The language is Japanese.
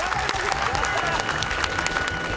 やった！